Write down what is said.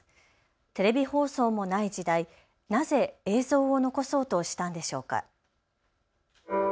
テレビ放送もない時代、なぜ映像を残そうとしたんでしょうか。